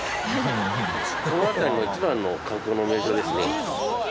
この辺りは一番の観光の名所ですね。